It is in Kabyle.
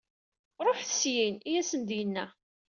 Ruḥet syin, i yasen-d-yenna.